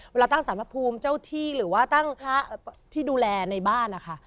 เวลาตั้งสารพระภูมิเจ้าที่หรือว่าตั้งพระที่ดูแลในบ้านนะคะ